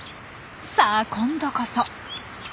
さあ今度こそ。